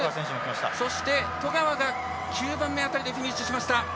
そして十川が９番目辺りでフィニッシュ。